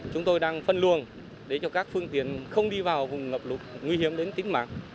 chúng tôi đang phân luồng để cho các phương tiện không đi vào vùng ngập lụt nguy hiểm đến tính mạng